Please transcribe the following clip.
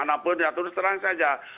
mana pun ya terus terang saja